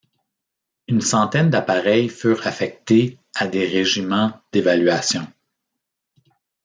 Une centaine d'appareils furent affectés à des régiments d'évaluation.